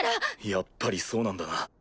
やっぱりそうなんだな。